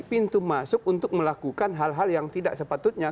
pintu masuk untuk melakukan hal hal yang tidak sepatutnya